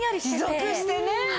持続してね。